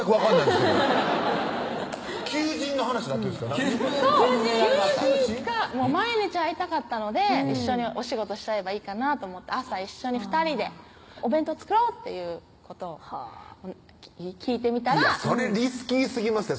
そう求人毎日会いたかったので一緒にお仕事しちゃえばいいかなと思って朝一緒に２人でお弁当作ろうっていうことを聞いてみたらそれリスキーすぎますって